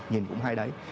nhìn cũng hay đấy